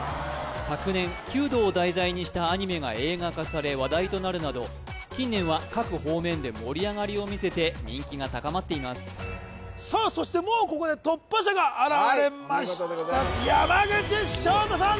昨年弓道を題材にしたアニメが映画化され話題となるなど近年は各方面で盛り上がりを見せて人気が高まっていますさあそしてここではいお見事でございます山口尚太さん